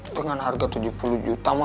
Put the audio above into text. dengan harga tujuh puluh juta